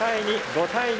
５対２！